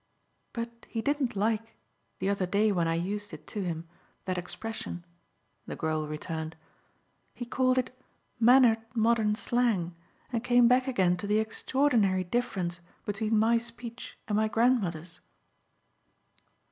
"But he didn't like, the other day when I used it to him, that expression," the girl returned. "He called it 'mannered modern slang' and came back again to the extraordinary difference between my speech and my grandmother's."